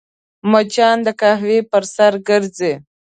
مچان د قهوې پر سر ګرځي